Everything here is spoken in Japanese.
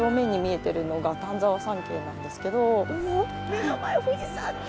目の前富士山だ！